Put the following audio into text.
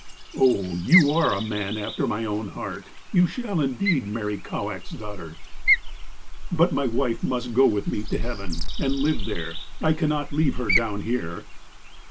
''' Oh, you are a man after my own heart. You shall indeed marry Kowak's daughter.' ''' But my wife must go with me to heaven, and live there. I cannot leave her down here.'